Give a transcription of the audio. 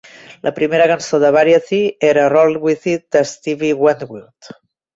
La primera cançó a "Variety" era "Roll with It" de Steve Winwood.